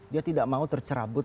dia tidak mau tercerabut